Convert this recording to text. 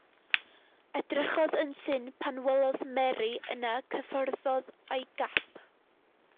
Edrychodd yn syn pan welodd Mary, yna cyffyrddodd â'i gap.